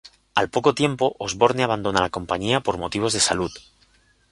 Al poco tiempo Osborne abandona la compañía por motivos de salud.